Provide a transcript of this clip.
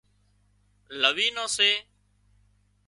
لوِي نان سي